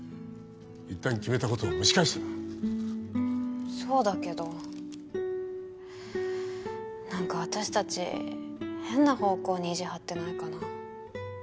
一旦決めたことを蒸し返すなそうだけど何か私達変な方向に意地はってないかな？